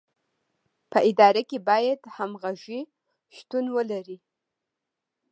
په اداره کې باید همغږي شتون ولري.